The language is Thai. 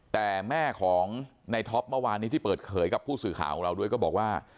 แต่แม่ของในท็อปเมื่อวานนี้ที่เปิดเผยกับผู้สื่อข่าวของเราด้วยก็บอกว่า